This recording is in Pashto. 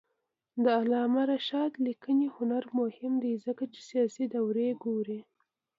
د علامه رشاد لیکنی هنر مهم دی ځکه چې سیاسي دورې ګوري.